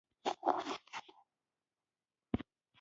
تېر که هر څنګه و یو غنیمت حالت دی.